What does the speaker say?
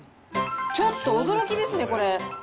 ちょっと驚きですね、これ。